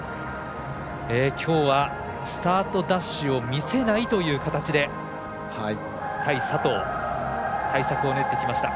きょうは、スタートダッシュを見せないという形で、対佐藤の対策を練ってきました。